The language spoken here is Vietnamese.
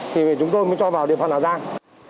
thì chúng tôi mới cho vào địa phận hà giang